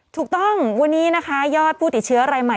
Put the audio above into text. ถูกต้องวันนี้นะคะยอดผู้ติดเชื้อรายใหม่